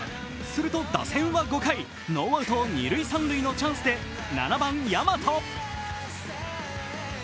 すると、打線は５回ノーアウト二塁・三塁のチャンスで７番・大和。